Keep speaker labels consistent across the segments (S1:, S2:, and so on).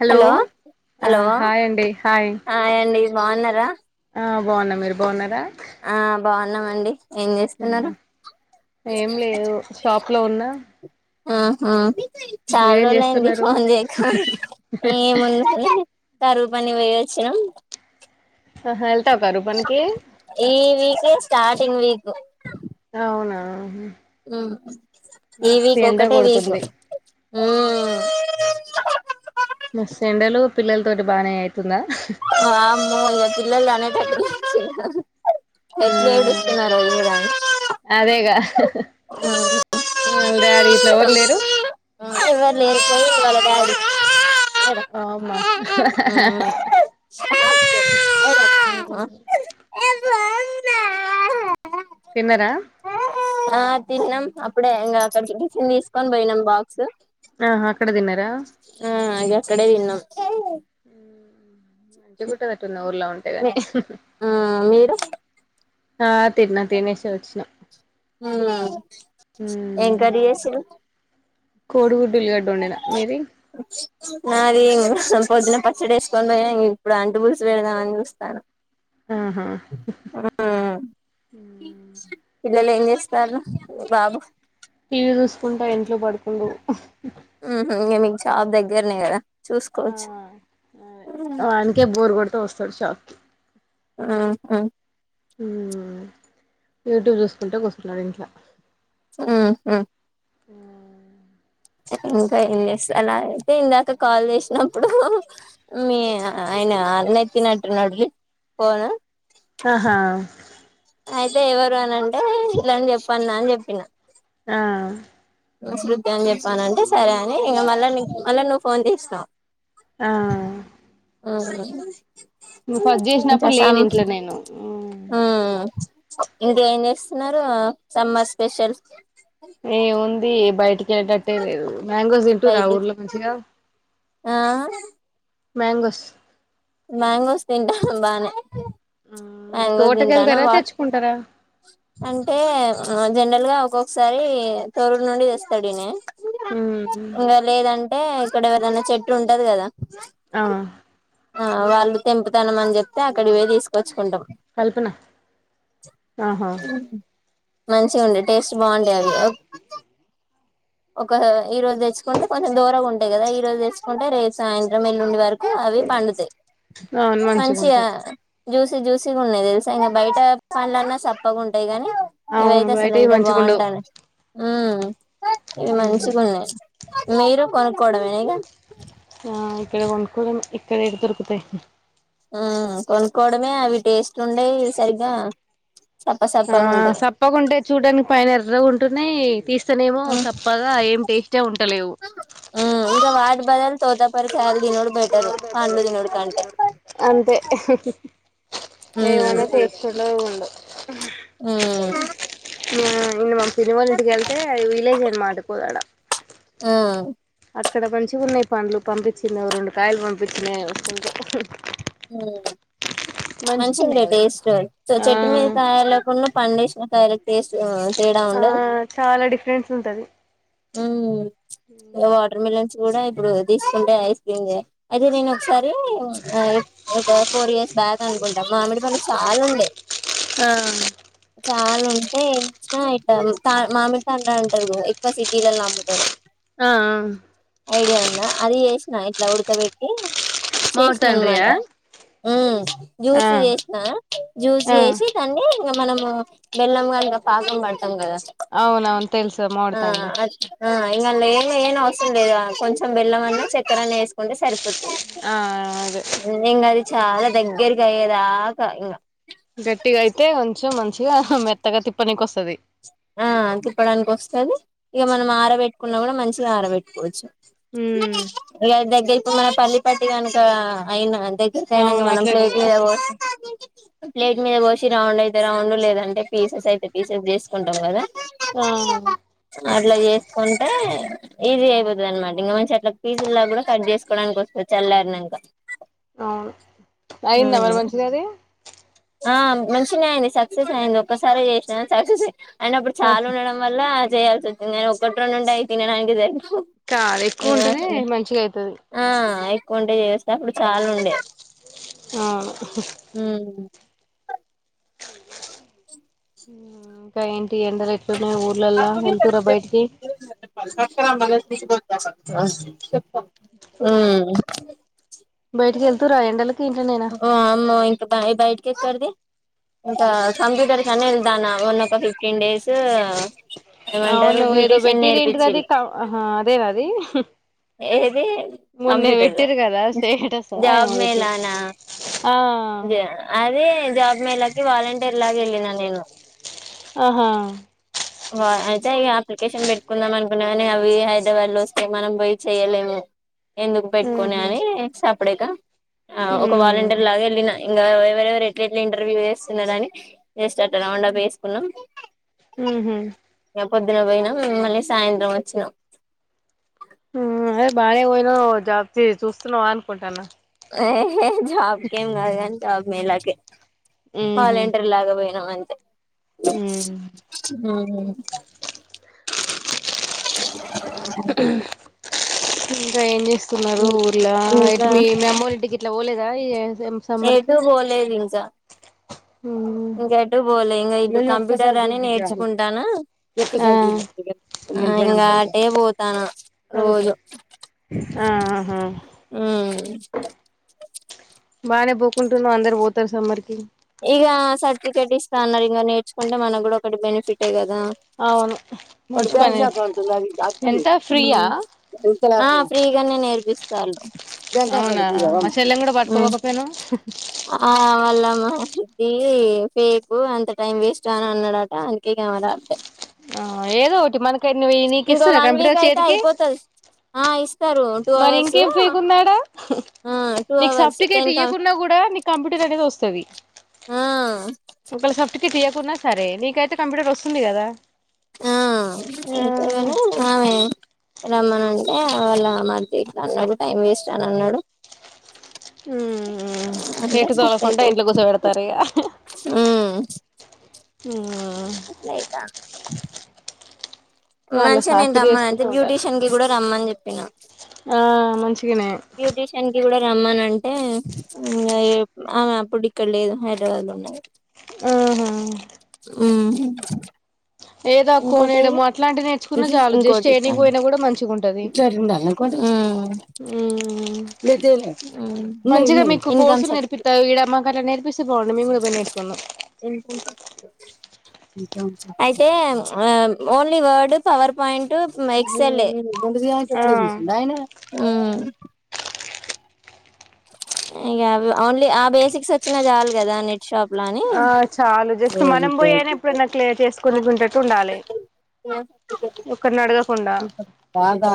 S1: hello ఆ
S2: hello
S1: hi అండి hi
S2: అండి బాగున్నారా
S1: ఆ బాగున్నా మీరు బాగున్నారా
S2: ఆ బాగున్నామండి ఏం
S1: ఉ
S2: చేస్తున్నారు
S1: ఏం లేదు షాప్ లో ఉన్నా
S2: ఆహా చాలా
S1: మీరేం
S2: రోజులు అయింది
S1: చేస్తున్నారు
S2: ఫోన్ చేయక ఏముందు కారువు పని పోయివచ్చినం
S1: ఆహ
S2: ఈ వీకే స్టార్టింగ్ వీక్
S1: అవునా
S2: ఉమ్ ఈ
S1: మస్తు
S2: వీక్
S1: ఎండ
S2: ఒకటే వీక్
S1: కొడుతుంది
S2: ఉమ్మ్ అ
S1: మస్త్ ఎండలు పిల్లలతోటి బానేయయితుందా
S2: వామ్మో పిల్లలు అని తట్టు
S1: ఆ
S2: ఎట్లా ఏడుస్తున్నారు ఇనురా యా ఆ
S1: ముందే అడి
S2: చివరి ఏడ్తది వాళ్ళ డాడీ
S1: అమ్మా
S2: ఉమ్
S1: ఉహు తిన్నారా
S2: ఆ తిన్నాం అప్పుడే ఇంకా అక్కడికి కిచన్ తీసుకొని పోయినాం బాక్స్
S1: ఆహ అక్కడ దిన్నారా
S2: గక్కడే తిన్నం
S1: ఉ మంచి [unintelligible] ఊర్లో ఉంటే
S2: మీ
S1: గని
S2: ఆ మీరు
S1: ఆ తిన్న తినేశే వచ్చిన
S2: అవునా ఏం కర్రీ చేసిర్రు
S1: కోడుగు
S2: నాది పొద్దున పచ్చడేసుకొని పోయిన ఇప్పుడు అంటు పూల్సు పెడదామని చూస్తాన
S1: ఆహా
S2: పిల్లలు ఏం బాబు
S1: టీవీ చూసుకుంటా ఇంట్లో పడుకుండు
S2: ఉహ్ ఇంగా మీక్ షాప్ దగ్గరనే కద
S1: ఆ అదే వానికే బోర్ కొడుతే వస్తాడు షాక్కిి
S2: ఆహ
S1: ఉమ్ యూట్యూబ్ చూసుకుంట కూసున్నాడు ఇంట్ల
S2: సహ
S1: ఆ
S2: ఇంకా ఏంజెస్తున్నారు అయితే ఇందాక కాల్ చేసినప్పుడు మీ ఇనా అలనేత్తినట్టున్నాడు ఫోను
S1: ఆహా
S2: అయితే ఎవరు అనంటే ఇట్లాని చెప్పన్నా అని చెప్పిన
S1: ఆ
S2: శృతి అని చెప్పనంటే సరే అని ఇంక మళ్ళా నీక్ మళ్ళ నువ్వు ఫోన్ చేశినవ్
S1: ఆ
S2: ఆహ
S1: నువ్వు ఫస్ట్ చేసినప్పుడు లేను ఇంట్లో నేను
S2: ఆ ఇంకేం చేస్తున్నారు ఆ సమ్మర్ స్పెషల్
S1: ఏముంది బయటికి ఎల్టట్టే లేదు మ్యాంగోజ్ తింటూరా
S2: బయటికి
S1: ఊర్ల మంచిగా
S2: ఆ
S1: మ్యాంగోస్
S2: మ్యాంగోస్ తింటానం బానే
S1: మీకు
S2: మ్యాంగోస్ తింటనం
S1: తోటకెళ్తారా
S2: వా
S1: తెచ్చుకుంటారా
S2: అంటే ఆ జనరల్ గా ఒక్కొ సారి తోర్రుర్ నుండి తెస్తాడు ఇనే
S1: మ్మ్
S2: ఇంగ లేదంటే ఇక్కడ ఎవరిదన్న చెట్టు ఉంటది కదా
S1: ఆ
S2: ఆ వాళ్ళు తెంపుతనం అని చెప్తే అక్కడికిపోయి తీసుకొచ్చుకుంటాం
S1: కల్పనా ఆహా
S2: మంచిగుండే టేస్ట్ బాగుండేయి అవి ఒక ఈ రోజు తెచ్చుకుంటే కొంచం దోరగా ఉంటాయి కదా ఈ రోజు తెచ్చుకుంటే రేపు సాయంత్రం ఎల్లుండి వార కు అవి పండుతాయి
S1: అవును
S2: మంచిగా
S1: మంచిగుంటాయి
S2: జూసి జూసిగున్నాయి తెలుసా ఇకా బయట పండ్లన్నా సప్పగా ఉంటాయి గానీ
S1: అవును
S2: ఇవైతే అసలు
S1: బయటవి
S2: ఎంత
S1: మంచిగుండవు
S2: బాగుంటా ఉమ్ ఇవి మంచిగున్నాయి మీరు కొనుక్కోవడమేనా ఇగ
S1: ఆ ఇక్కడ కొనుక్కోడమే ఇక్కడ ఏడ దొరుకుతై
S2: ఉ కొనుక్కోవడమే అవి టేస్ట్ ఉండయి సరిగ్గా సప్ప
S1: ఆ
S2: సప్పగా ఉంటాయి
S1: సప్పకుంటే చూడ్డానికి పైన ఎర్రగా ఉంటున్నాయి సనేమో
S2: ఉమ్
S1: సప్పగా ఏం టేస్టే ఉంటలేవు
S2: కోతపర్కాల్
S1: అంతే ఏవన్న చేేస్తుండో ఉండో ఇంగ ఇంగా మా పిన్ని వాళ్ళ ఇంటికి ఎళ్తే విలేజ్ అన్నమాట కోదాడ
S2: ఉమ్మ్
S1: అక్కడ మంచిగున్నాయి పండ్లు పంపించింది రెండు కాయలు పంపించినయి వస్తుంటే
S2: ఉమ్మ్ మంచిగుండే
S1: మంచిగున్నాయి అవి
S2: టేస్టు
S1: ఆ
S2: చెట్టు మీద కాయలకున్న పండేసిన కాయలకు టేస్టు తేడా
S1: ఆ
S2: ఉండదు
S1: చాలా డిఫరెన్స్ ఉంటది
S2: ఉమ్మ్ ఇంగ వాటర్ మిలన్ చూడ ఇప్పుడు తీసుకుంటే ఐస్ క్రీమ్ దే అయితే నేను ఒకసారి ఆ ఒక ఫోర్ ఇయర్స్ బ్యాక్ అనుకుంటా మామిడిపండ్లు చాలా ఉండే
S1: ఆ
S2: చాలా ఉం టే ఇచిన ఇట్ట తా మామిడిపండ్లు అంటారు ఎక్కువ సిటీలలో అమ్ముతారు
S1: ఆఆ
S2: ఐడియా ఉందా అది చేసినా ఇట్లా ఉడకబెట్టి
S1: మామిడి
S2: చేసిన
S1: తండ్రియా
S2: అనమాట ఉమ్మ్
S1: ఆ
S2: జ్యూస్ చేసినా జ్యూస్
S1: ఆ
S2: చేసి దాన్ని ఇంగ మనము బెల్లం గానిక పాకం పడతాం కదా
S1: అవునవును తెలుసు మామిడి
S2: ఆ
S1: తండ్రి
S2: అ ఆ ఇంగ లెయనేయన అవసరం లేదు కొంచెం బెల్లమన్న చక్కరన్న ఎసుకుంటే సరిపోతది
S1: ఆఆ అదే
S2: ఇంగ అది చాలా దగ్గరకి అయ్యేదాకా ఇంగా
S1: గట్టిగా అయితే కొంచెం మంచిగా మెత్తగా తిప్పనికి వస్తాది
S2: ఆ తిప్పడానికి వస్తాది ఇక మనం ఆరబెట్టుకున్నా కూడా మంచిగా ఆరబెట్టుకోవచ్చు ఇగ దగ్గరికి మన పల్లి పట్టి కనుక అయిన దగ్గరికి అయినాక
S1: అవును
S2: మనం
S1: అట్లనే
S2: ప్లేట్
S1: ఇగ
S2: మీద పోసి ప్లేట్ మీద పోసి రౌండ్ అయితే రౌండ్ లేదంటే పీసెస్ అయితే పీసెస్ చేసుకుంటాం కదా
S1: ఆ
S2: అట్లా చేసుకుం టే ఈజీ అయిపోతది అనమాట ఇంకా మంచి అట్లా పీసులాగ కూడా కట్ చేసుకోవడానికి వస్తది చల్లారినంకా
S1: అవును అయిందా మరి మంచిగా అది
S2: ఆ మంచిగనే అయింది సక్సెస్ అయింది ఒక్కసారి చేసిన సక్సెస్ అయిన అప్పుడు చాలు ఉండడం వల్ల చేయాల్సివచ్చింది కానీ ఒకటి రెండు ఉంటే అయి తినడానికే సరి
S1: కాదు ఎక్కువ
S2: ఇంగ
S1: ఉంటేనే మంచిగా అయితది
S2: ఆ కుంటే చేస్తే అప్పుడు చాలా ఉండే
S1: అవును
S2: ఉమ్మ్
S1: ఉమ్మ్ ఇంకా ఎం టి ఎండలు ఎట్లున్నాయి ఊర్లలా వెళ్తురా బయటికి
S2: ఉమ్మ్
S1: బయటికి ఎళ్తుర్రా ఎండలకి ఇంట్లోనేనా
S2: వామ్మో ఇంకా బ బయటికి ఎక్కడది ఇకా కంప్యూటర్ కన్నా వెళ్దానా మొన్న ఒక ఫిఫ్టీన్ డేస్ ఏమంటారు
S1: అవును ఏదో
S2: బ్యూటీషియన్
S1: పెట్టిరు ఎంటిది అది
S2: నేర్పించిల్లు
S1: క అదేనా అది
S2: ఏది
S1: మొన్నే
S2: కంప్యూటర్
S1: పెట్టిరు కదా స్టేటసా ఏమో పెట్టిరు
S2: జా అదే జాబ్ మేలకి వాలంటీర్ లాగా ఎళ్ళిన నేను
S1: ఆహా
S2: వా అయితే ఇగ అప్లికేషన్ పెట్టుకుందాం అనుకున్నా కాని అవి హైదరాబాద్లో వస్తే మనం పోయి చేయ్యలేము ఎందుకు పెట్టుకొని
S1: ఉహు
S2: అని సాప్డేక ఆ ఒక
S1: ఉహు
S2: వాలంటీర్ లాగా ఎళ్ళిన ఇంగా ఎవరెవరు ఎట్లేట్ల ఇంటర్వ్యూ వేస్తున్నాడని జస్ట్ అట్ల రౌండ్ అప్ ఎసుకున్నాం
S1: ఉహు
S2: పొద్దున పోయినం మళ్ళీ సాయంత్రం వచ్చినాం
S1: అదే బానే పోయినవ్ జాబ్తి చూస్తున్నావా అనుకుంటాన్న
S2: యేహే జాబ్కేం కాదుగాని జాబ్ మేలాకే వాలంటీర్ లాగా పోయి న అంతే
S1: హ ఇంకా ఏం చేస్ తున్నారు ఊర్ల ఇయిట్
S2: ఇంకా
S1: మీ అమ్మోలింటికి గిట్లా పోలేదా సమ్మర్ కి
S2: ఎటు వోలేదు ఇంకా ఇంక ఎటు పోలే ఇంకా ఇటు కంప్యూటర్ అని నేర్చుకుంటానా
S1: ఆ
S2: ఇంగ అటె పోతన
S1: అ ఆహా
S2: ఉమ్
S1: బానే పోకుంటున్నావ్ అందరు పోతారు సమ్మర్కి
S2: ఇగ సర్టిఫికేట్ ఇస్త అన్నరు ఇంగా నేర్చుకుంటే మనకు కూడా ఒక్కటి బేనిఫిటె క ద
S1: అవును మంచి పని ఎంత ఫ్రీయా
S2: ఫ్రీగానే నేర్పిస్తాళ్ళు
S1: అవునా మా చెల్లెని కూడా పట్టుకోపోకపోయినావ్
S2: ఆ వాళ్ళమ్మా ఇవ్వి ఫేకు అంత టైం వేస్ట్ అని అన్నాడట అందుకే ఇగ ఆమె రాప్డ్
S1: ఆ ఏదో ఒటి మనకైనవి నీకు
S2: ఇంకో
S1: ఇస్తురా
S2: వన్ వీక్
S1: కంప్యూటర్
S2: అయితే
S1: చేతికి
S2: అయిపోతది ఆ ఇస్తారు టూ
S1: మరి
S2: అవర్స్
S1: ఇంకేం ఫేక్ ఉంది అడ
S2: ఆ టూ
S1: నీకు
S2: అవర్స్
S1: సాఫ్టికేట్
S2: టెన్ కా
S1: ఇయ్యాకున్న కూడా నీకు కంప్యూటర్ అనేది వస్తు తది
S2: ఆ
S1: ఒకళ సాఫ్టికేట్ ఇయ్యాకున్నా సరే నీకైతే కంప్యూటర్ వస్తుంది కదా
S2: ఆ
S1: ఆ
S2: ఇంకేవను ఆమె రమ్మని అంటే వాళ్ళ మరిది ఇట్ల అన్నాడు టైం వేస్ట్ అని అన్నాడు
S1: ఉ
S2: అంటే
S1: ఎటు
S2: సప్లై
S1: తోలకుండా
S2: కూ
S1: ఇంట్లో కూర్చోబెడతారు ఇగ
S2: అట్లాయితా
S1: వాళ్ళ
S2: మంచిగా నేను
S1: చాకిరీ
S2: రమ్మను అంటే
S1: చేసుకుంటూ ఉంటారు
S2: బ్యూటీషియన్ కి కూడా రమ్మని చెప్పినా
S1: ఆ మంచిగనే
S2: బ్యూటీషియన్ కి కూడా రమ్మనంటే ఇంగ ఆమె అప్పుడు ఇక్కడ లేదు హైదరాబాద్ ల ఉన్నది
S1: ఆహా
S2: ఉహు
S1: ఏదా కొనేయడము అట్లాంటి నేర్చుకున్నా
S2: ఏది
S1: చాలు జస్ట్
S2: ఇంకోటి ఇట్లా
S1: ఎనికి పోయినా కూడా మంచిగా ఉంటది
S2: ఇట్లాంటి ఉండాలి అనుకోండి ఇన్నది
S1: మంచిగా
S2: ఉన్నది
S1: మీకు
S2: ఇన్కమ్
S1: కోర్సులు
S2: సర్టిఫికేట్
S1: నేరుపిత ఇడమా మాకట్ల నేర్పిస్తే బాగుండు మేం గూడ బోయి నేర్చుకుందుం
S2: వినుకుంట అత్తు అయితే ఓన్లీ వర్డ్ పవర్ పాయింట్ ఎక్సెలే బధ అ
S1: ఆ
S2: చపడ బసిన్నాయ ఇగా అవ్వి ఓన్లీ ఆ బేసిక్స్ వచ్చినా చాలు కదా నె షాపు లాని
S1: ఆ చాలు జస్ట్ మనం పోయైనా ఎప్పుడైనా క్లియర్ చేసుకొనికుంటట్టు ఉండాలి ఒకరిని అడగకుండా
S2: బాగా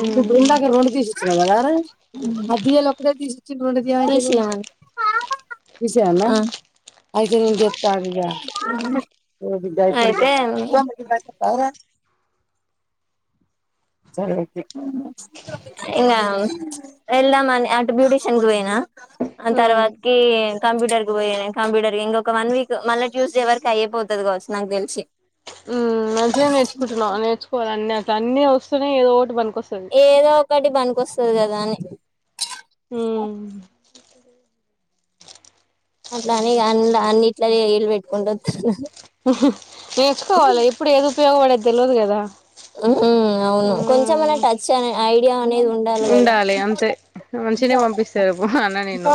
S1: మ్మ్
S2: ఇందాకే రొండు తీసిచినవు కదర తీసియమను అయితే నిన్ జేప్త ఆగు ఇగా అయితే ఇంగ వెళ్దామని అటు బ్యూటీషియన్ కి పోయినా తర్వాతకి కంప్యూటర్ కి పోయి కంప్యూటర్ ఇంకొక వన్ వీక్ మళ్ళీ ట్యూస్డే వరకు అయ్యే పోతది కావచ్చు నాకు తెలిసి
S1: ఉమ్ మంచిగానే నేర్చుకుంటున్నావు నేర్చుకోవాల అన్ని అట్ అన్నీ వస్తున్నాయి ఏదో ఒకటి పనికొస్తది
S2: ఏదో ఒకటి పనికికొస్తది కదా అని
S1: ఉమ్
S2: అట్లా అనే అందు అన్ని ఇట్ల ఏల్బట్కుం వతున
S1: నేర్చుకోవాలి ఇప్పుడు ఎప్పుడు ఏది ఉపయోగపడేది తెలియదు కదా
S2: ఉహు అవును కొంచెం అన
S1: మ్మ్
S2: టచ్ అనే ఐడియా అనేది ఉండాలి కదా
S1: మంచినే పంపిస్తారు అన్న నేను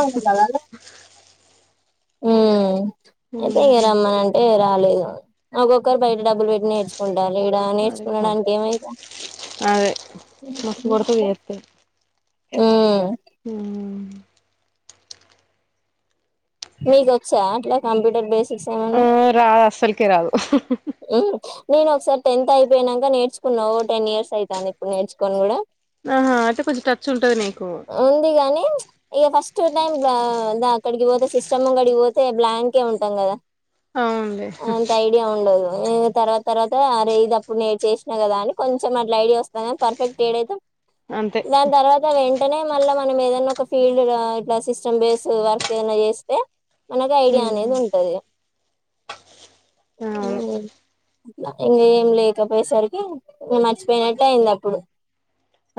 S2: ఉమ్ అయితే రమ్మని అంటే రాలేదు ఒక్కొక్కరు బయట డబ్బులు పెట్టి నేర్చుకుంట రూ ఇడ
S1: మ్మ్
S2: నేర్చుకున్నాడానికి ఏమైతది
S1: అదే అ
S2: మీకు వచ్చ అట్లా కంప్యూటర్ బేస్
S1: ఆ రాదు అస్సలకి రాదు
S2: నేను ఒకసారి టెన్త్ అయిపోయినాక నేర్చుకున్నా ఓ టెన్ ఇయర్స్ అవుతది ఇప్పుడు నేర్చుకోని కూడా
S1: ఆహా అయితే కొంచెం టచ్ ఉంటది నీకు
S2: ఉంది కాగానీ ఇగ టూ టైమ్ అక్కడికి పోతే సిస్టమ్ ముంగడికి పోతే బ్లాంకే ఉంటాం కదా
S1: అవునులే
S2: అంత ఐడియా ఉండదు తర్వాత తర్వాత అరే ఇది అప్పుడు నేను చేసినా కదా అని కొంచెం అట్లా ఐడియా వస్తంది పర్ఫెక్ట్ ఏడ అయితే
S1: అంతే
S2: దాని తర్వాత వెంటనే మళ్ళా మనం ఏదన్నా ఒక ఫీల్డ్ లా సిస్టమ్ బేస్ వర్క్ ఏదైనా చేస్తే మనకు ఐడియా అనేది ఉంటది
S1: అవును
S2: ఇంక ఏం లేకపోయేసరికి ఇగ మర్చిపోయినట్టు అయింది అప్పుడు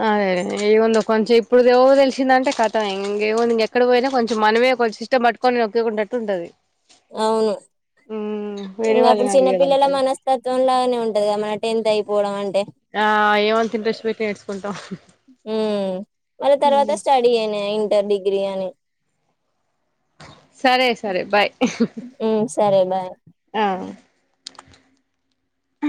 S1: అదే అదే ఏం ఉంది కొంచెం ఇప్పుడు దొ వచ్చింద అంటే కథం ఇంకేముంది ఇంక ఎక్కడకి పోయినా కొంచం మనమే కొంచెం సిస్టం పట్టుకోని నొక్కేకున్నట్టు ఉంటది
S2: అవును
S1: మ్మ్ వేరే
S2: ఇంకా అప్పుడు
S1: వాళ్ళని
S2: చిన్న పిల్లల
S1: అడిగేదానికన్నా
S2: మనస్తత్వం లనే ఉంటది కదా మన టెన్త్ అయిపోవడం అంటే
S1: ఆ ఏ మంత ఇంట్రెస్ట్ పెట్టి నేర్చుకుంటాం
S2: ఉమ్ మళ్ళ తర్వాత స్టడీ అనయే ఇంటర్ డిగ్రీ అని
S1: సరే సరే బాయ్
S2: ఉమ్ సరే బాయ్
S1: ఆ అ